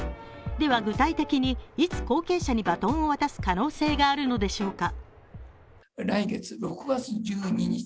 では、具体的にいつ、後継者にバトンを渡す可能性があるのでしょうか。